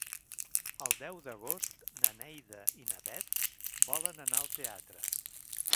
El deu d'agost na Neida i na Bet volen anar al teatre.